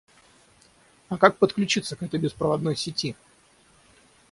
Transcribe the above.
А как подключиться к этой беспроводной сети?